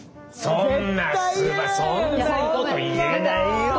そんなそんなこと言えないよ。